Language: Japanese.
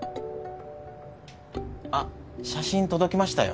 あっ写真届きましたよ